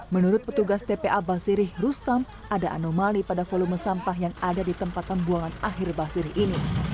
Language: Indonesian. menurut petugas tpa basiri rustam ada anomali pada volume sampah yang ada di tempat pembuangan akhir basiri ini